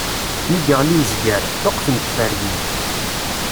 Mi yeɣli uzger, ṭṭuqqten tferyin.